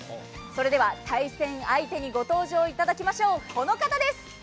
それでは対戦相手にご登場いただきましょう、この方です。